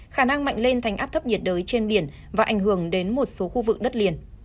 khả năng mạnh lên thành áp thấp nhiệt đới trên biển và ảnh hưởng đến một số khu vực đất liền